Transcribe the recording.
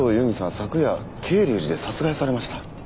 昨夜恵竜寺で殺害されました。